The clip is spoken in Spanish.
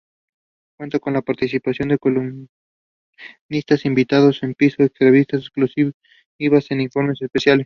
Cuenta con la participación de columnistas, invitados en piso, entrevistas exclusivas e informes especiales.